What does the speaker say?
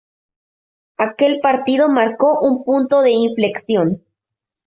Aquel partido marcó un punto de inflexión.